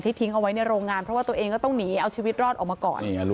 ทิ้งเอาไว้ในโรงงานเพราะว่าตัวเองก็ต้องหนีเอาชีวิตรอดออกมาก่อน